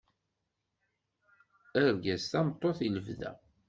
Argaz tameṭṭut i lebda.